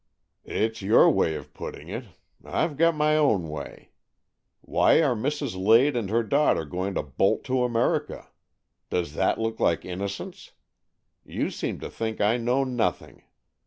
" It's your way of putting it. I've got my own way. Why are Mrs. Lade and her daughter going to bolt to America.? Does that look like innocence ? You seem to think I know nothing.